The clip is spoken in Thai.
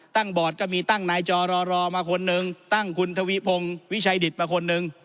บอร์ดก็มีตั้งนายจอรอมาคนนึงตั้งคุณทวิพงศ์วิชัยดิตมาคนหนึ่ง